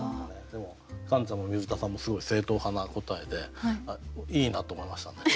でもカンちゃんも水田さんもすごい正統派な答えでいいなと思いましたね。